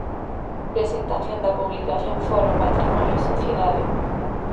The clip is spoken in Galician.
Presentación da publicación Foro Patrimonio e Sociedade.